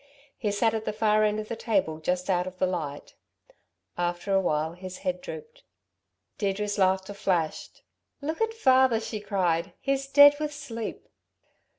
He sat at the far end of the table just out of the light: after a while his head drooped. Deirdre's laughter flashed. "Look at father," she cried, "he's dead with sleep!"